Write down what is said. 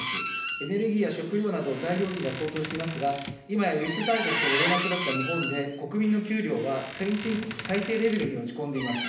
エネルギーや食料など、材料費が高騰していますが、今や輸出大国とも言えなくなった日本で国民の給料は先進国最低レベルに落ち込んでいます。